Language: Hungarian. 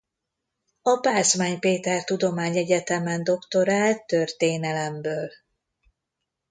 A Pázmány Péter Tudományegyetemen doktorált történelemből.